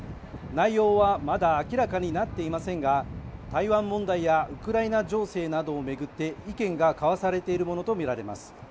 内容はまだ明らかになっていませんが台湾問題やウクライナ情勢などを巡って、意見が交わされているものとみられます。